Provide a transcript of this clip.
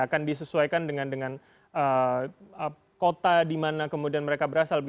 akan disesuaikan dengan kota di mana kemudian mereka berasal